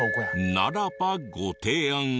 ならばご提案を。